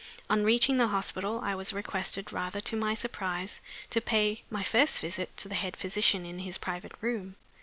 On reaching the hospital, I was requested, rather to my surprise, to pay my first visit to the head physician in his private room.